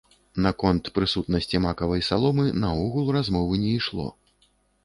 Наконт прысутнасці макавай саломы наогул размовы не ішло.